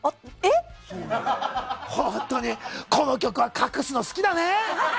本当にこの局は隠すの好きだね。